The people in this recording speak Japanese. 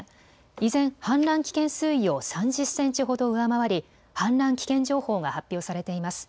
依然、氾濫危険水位を３０センチほど上回り氾濫危険情報が発表されています。